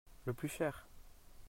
Le plus cher.